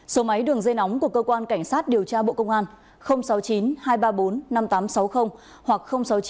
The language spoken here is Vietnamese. số máy đường dây nóng của cơ quan cảnh sát điều tra bộ công an sáu mươi chín hai trăm ba mươi bốn năm nghìn tám trăm sáu mươi hoặc sáu mươi chín hai trăm ba mươi một một nghìn sáu trăm